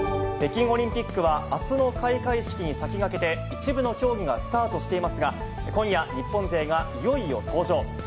北京オリンピックはあすの開会式に先駆けて、一部の競技がスタートしていますが、今夜、日本勢がいよいよ登場。